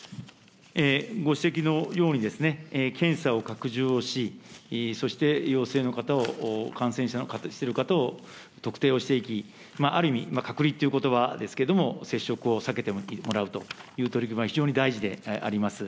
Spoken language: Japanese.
ご指摘のように、検査を拡充をし、そして、陽性の方を、感染している方を特定をしていき、ある意味、隔離ということばですけれども、接触を避けてもらうという取り組みは、非常に大事であります。